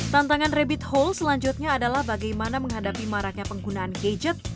tantangan rabbit hole selanjutnya adalah bagaimana menghadapi maraknya penggunaan gadget